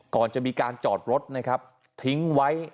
ก่อนจะมีการจอดรถนะครับทิ้งไว้